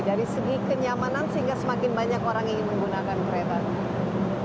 dari segi kenyamanan sehingga semakin banyak orang yang ingin menggunakan kereta